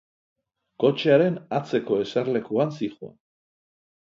Kotxearen atzeko eserlekuan zihoan.